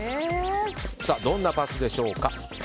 どんなパスでしょうか。